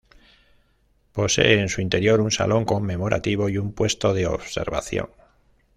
Posee en su interior un salón conmemorativo y un puesto de observación.